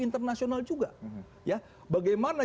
internasional juga ya bagaimana